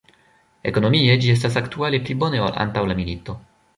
Ekonomie, ĝi estas aktuale pli bone ol antaŭ la milito.